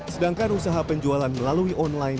sedangkan usaha penjualan melalui online